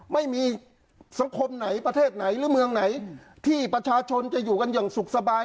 ไม่มีสังคมไหนประเทศไหนหรือเมืองไหนที่ประชาชนจะอยู่กันอย่างสุขสบาย